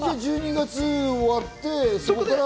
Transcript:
１２月終わって？